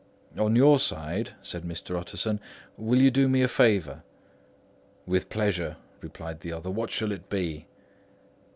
"On your side," said Mr. Utterson "will you do me a favour?" "With pleasure," replied the other. "What shall it be?"